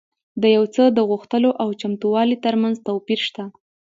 د یو څه د غوښتلو او چمتووالي ترمنځ توپیر شته